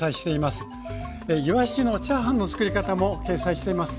いわしのチャーハンのつくり方も掲載しています。